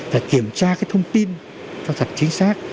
phải kiểm tra cái thông tin cho thật chính xác